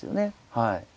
はい。